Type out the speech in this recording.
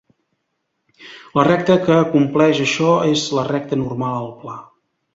La recta que compleix això és la recta normal al pla.